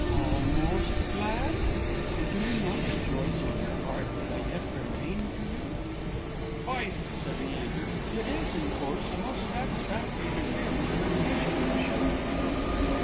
"Almost glad! And do you not rejoice from your heart that I yet remain to you?" "Why," said Leander, "it is, in course, a most satisfactory and agreeable termination, I'm sure."